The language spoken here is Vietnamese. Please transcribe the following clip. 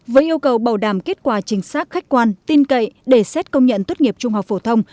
với yêu cầu bảo đảm kết quả chính xác khách quan tin cậy để xét công nhận tốt nghiệp trung học phổ thông